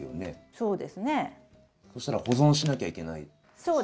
そしたら保存しなきゃいけないですね。